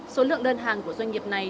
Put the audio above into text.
số lượng đơn hàng của doanh nghiệp này